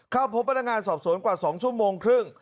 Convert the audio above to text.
เข้าพบพนักงานสอบสวนกว่า๒ชั่วโมงครึ่ง